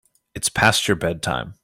It's past your bedtime.